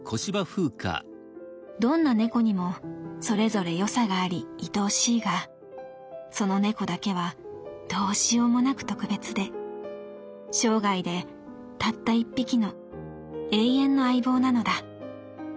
どんな猫にもそれぞれ良さがあり愛おしいがその猫だけはどうしようもなく特別で生涯でたった１匹の永遠の相棒なのだ。